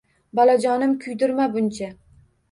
Bolajonim kuydirma buncha